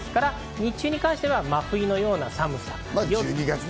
日中に関しては真冬のような寒さ。